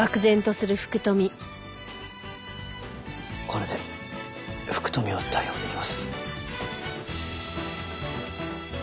これで福富を逮捕できます。